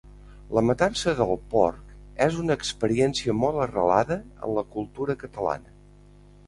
La matança del porc és una experiència molt arrelada en la cultura catalana.